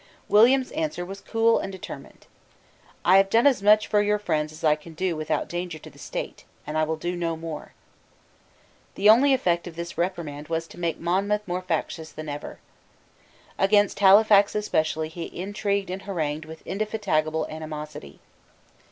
William's answer was cool and determined. "I have done as much for your friends as I can do without danger to the state; and I will do no more," The only effect of this reprimand was to make Monmouth more factious than ever. Against Halifax especially he intrigued and harangued with indefatigable animosity.